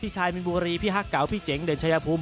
ชายมินบุรีพี่ฮักเก่าพี่เจ๋งเด่นชายภูมิ